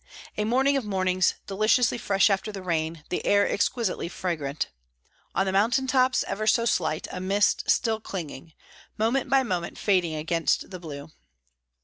A morning of mornings, deliciously fresh after the rain, the air exquisitely fragrant. On the mountain tops ever so slight a mist still clinging, moment by moment fading against the blue.